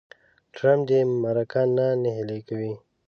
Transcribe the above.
ټرمپ دې مرکه نه نهیلې کوي.